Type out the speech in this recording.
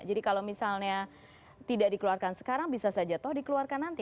jadi kalau misalnya tidak dikeluarkan sekarang bisa saja toh dikeluarkan nanti